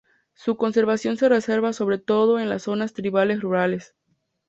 Su conservación se reserva sobre todo en las zonas tribales rurales.